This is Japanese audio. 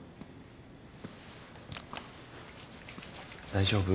大丈夫？